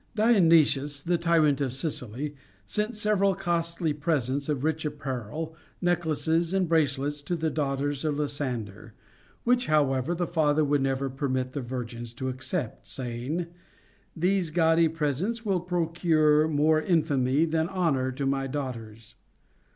Dionysius, the tyrant of Sicily, sent several costly presents of rich apparel, necklaces, and bracelets to the daughters of Lysander, which however the father woidd never permit the virgins to accept, saying : These gaudy presents will procure more infamy than honor to my daughters.